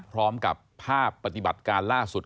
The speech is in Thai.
พร้อมกับภาพปฏิบัติการล่าสุด